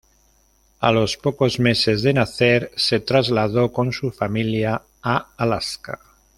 A los pocos meses de nacer se trasladó con su familia a Alaska.